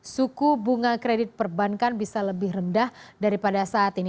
suku bunga kredit perbankan bisa lebih rendah daripada saat ini